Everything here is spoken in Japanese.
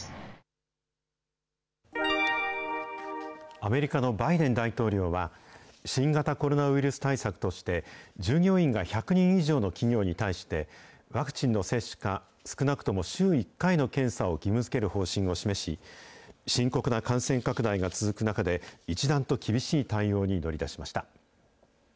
アメリカのバイデン大統領は、新型コロナウイルス対策として、従業員が１００人以上の企業に対して、ワクチンの接種か、少なくとも週１回の検査を義務づける方針を示し、深刻な感染拡大が続く中で、一段と厳しい対応に乗り出しました。